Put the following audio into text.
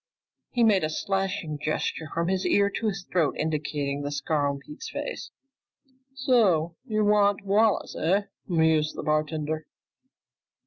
He made a slashing gesture from his ear to his throat, indicating the scar on Pete's face. "So you want Wallace, eh?" mused the bartender.